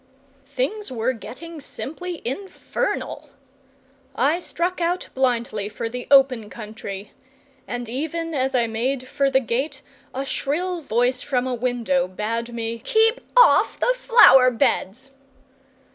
Things were getting simply infernal. I struck out blindly for the open country; and even as I made for the gate a shrill voice from a window bade me keep off the flower beds.